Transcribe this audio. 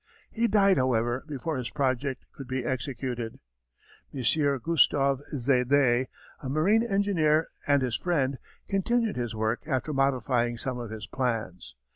He died, however, before his project could be executed. M. Gustave Zédé, a marine engineer and his friend, continued his work after modifying some of his plans.